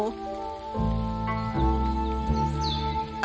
aku mengajari mereka banyak ritual dan seni bertanung